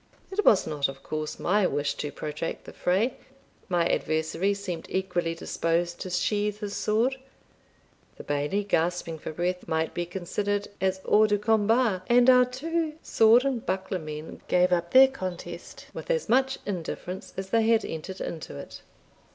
It was not, of course, my wish to protract the fray my adversary seemed equally disposed to sheathe his sword the Bailie, gasping for breath, might be considered as hors de combat, and our two sword and buckler men gave up their contest with as much indifference as they had entered into it.